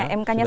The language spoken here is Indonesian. sudah lama ya